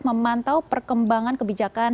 memantau perkembangan kebijakan